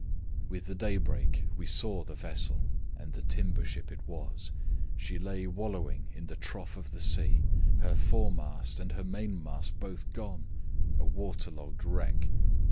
"With the daybreak we saw the vessel, and the timber ship it was. She lay wallowing in the trough of the sea, her foremast and her mainmast both gone a water logged wreck.